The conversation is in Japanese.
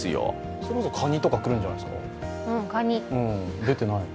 それこそ、かにとか来るんじゃないですか？